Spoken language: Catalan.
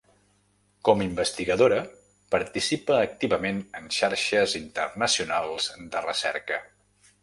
Com investigadora participa activament en xarxes internacionals de recerca.